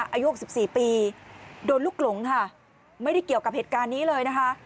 อายุ๖๔ปีโดนลูกหลงค่ะไม่ได้เกี่ยวกับเหตุการณ์นี้เลยนะคะ